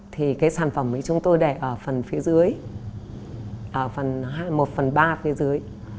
thì cái sản phẩm ấy chúng tôi để ở phần phía dưới một phần ba phía dưới